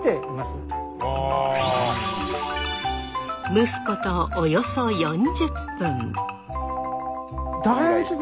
蒸すことおよそ４０分。